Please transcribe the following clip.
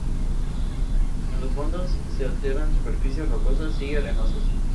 En los fondos se alternan superficies rocosas y arenosas.